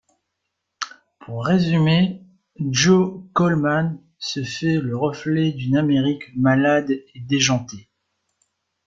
Pour résumer, Joe Coleman se fait le reflet d’une Amérique malade et déjantée.